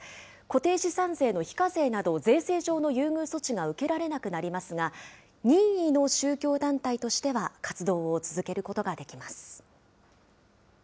固定資産税の非課税など、税制上の優遇措置が受けられなくなりますが、任意の宗教団体としては活動を続けることができます。